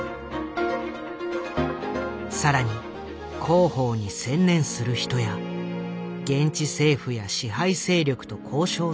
更に広報に専念する人や現地政府や支配勢力と交渉するためのスタッフも配置。